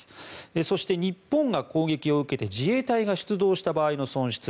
そして、日本が攻撃を受けて自衛隊が出動した場合の損失